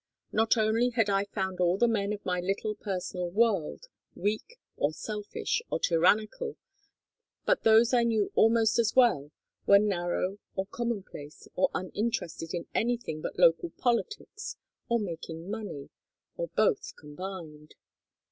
Not only had I found all the men of my little personal world weak, or selfish, or tyrannical, but those I knew almost as well were narrow, or commonplace, or uninterested in anything but local politics or making money, or both combined.